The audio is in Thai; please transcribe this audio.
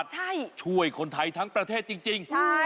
ได้แล้ว